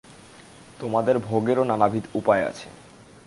তোমাদের ভোগেরও নানাবিধ উপায় আছে।